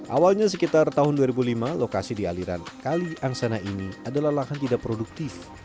awalnya sekitar tahun dua ribu lima lokasi di aliran kali angsana ini adalah lahan tidak produktif